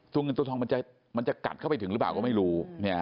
เงินตัวทองมันจะกัดเข้าไปถึงหรือเปล่าก็ไม่รู้